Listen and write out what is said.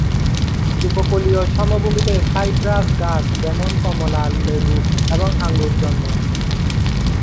উপকূলীয় সমভূমিতে সাইট্রাস গাছ যেমন কমলা, লেবু এবং আঙ্গুর জন্মে।